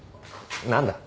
何だ？